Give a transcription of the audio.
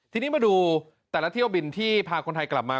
ทีนี้มาดูแต่ละเที่ยวบินที่พาคนไทยกลับมา